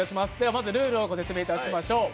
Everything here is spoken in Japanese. まずルールをご説明いたします。